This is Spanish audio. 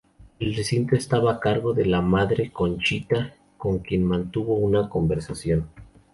El recinto estaba a cargo de la Madre Conchita, con quien mantuvo una conversación.